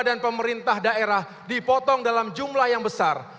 dan pemerintah daerah dipotong dalam jumlah yang besar